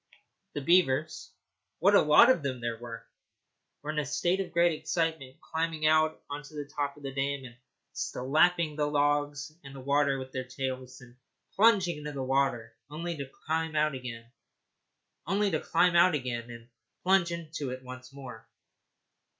The beavers what a lot of them there were! were in a state of great excitement, climbing out on to the top of the dam and slapping the logs and the water with their tails, then plunging into the water, only to climb out again and plunge in once more.